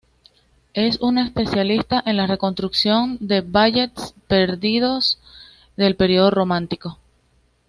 Es un especialista en la reconstrucción de ballets perdidos del período romántico.